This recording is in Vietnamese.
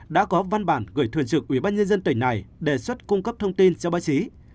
đã có văn bản gửi thuần trực ubnd tỉnh này đề xuất cung cấp thông tin cho báo chí